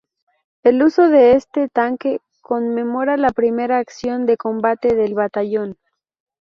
El uso de este tanque conmemora la primera acción de combate del batallón.